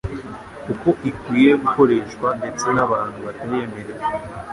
uko ikwiye gukoreshwa ndetse n'abantu batayemerewe.